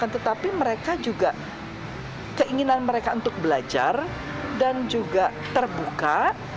tetapi mereka juga keinginan mereka untuk belajar dan juga terbuka